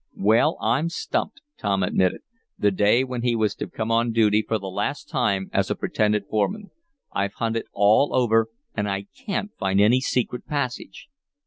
"Well, I'm stumped!" Tom admitted, the day when he was to come on duty for the last time as a pretended foreman. "I've hunted all over, and I can't find any secret passage."